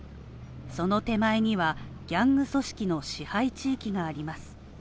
その手前には、ギャング組織の支配地域があります。